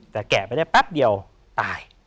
แต่แกะไปได้แป๊บเดียวตาย